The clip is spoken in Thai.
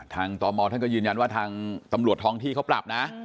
ตรมว์ยืนยันว่าทำลวดทองที่เค้าปรับนะ